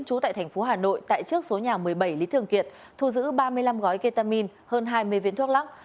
trú tại thành phố hà nội tại trước số nhà một mươi bảy lý thường kiệt thu giữ ba mươi năm gói ketamin hơn hai mươi viên thuốc lắc